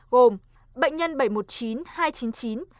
gồm bệnh nhân bảy trăm một mươi chín hai trăm chín mươi chín